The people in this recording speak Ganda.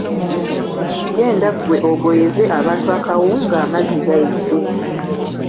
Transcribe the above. Genda gwe ogoyeze abantu akawunga amazzi gayidde.